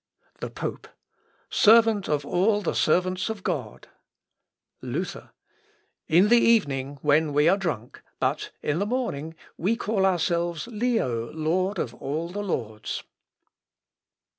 The Pope. "... Servant of all the servants of God...." Luther. "In the evening when we are drunk; but in the morning we call ourselves Leo lord of all the lords."